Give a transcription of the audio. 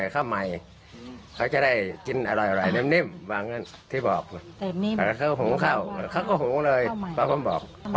เพิ่มให้เขามีความคิดว่าจะเป็นถัวน้อย